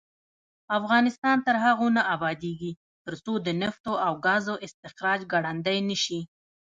افغانستان تر هغو نه ابادیږي، ترڅو د نفتو او ګازو استخراج ګړندی نشي.